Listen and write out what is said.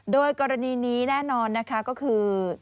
โดยกรณีนี้แน่นอนนะคะก็คือ